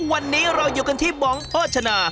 วันนี้เราอยู่กันที่บองโภชนา